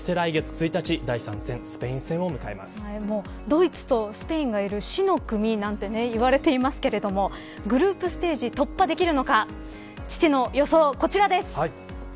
ドイツとスペインがいる死の組なんて言われていますけどグループステージ突破できるのか父の予想、こちらです。